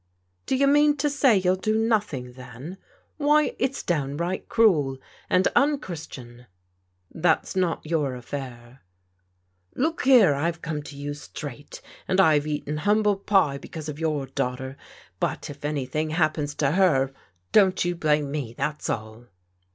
" Do you mean to say you'll do nothing, then? Why, it's downright cruel, and unchristian." " That's not your affair." " Look here, I've come to you straight, and I've eaten htmible pie because of your daughter, but if anything happens to her, don't you blame me, that's all